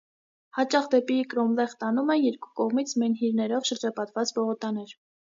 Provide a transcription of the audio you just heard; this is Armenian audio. Հաճախ դեպի կրոմլեխ տանում են երկու կողմից մենհիրներով շրջապատված պողոտաներ։